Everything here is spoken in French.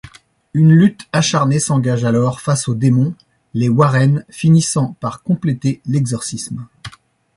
Une lutte acharnée s'engage alors face au démon, les Warren finissant par compléter l'exorcisme.